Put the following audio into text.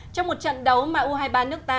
trong một trận đấu mà u hai mươi ba nước ta